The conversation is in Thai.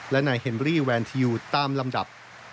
และนายเฮมรี่แวนทิวตามลำดับ